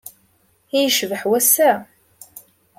I yecbeḥ wass-a!